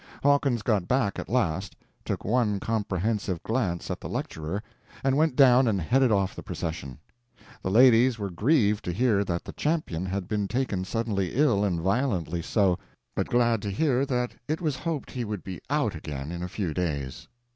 Hawkins got back at last; took one comprehensive glance at the lecturer, and went down and headed off the procession. The ladies were grieved to hear that the champion had been taken suddenly ill and violently so, but glad to hear that it was hoped he would be out again in a few days.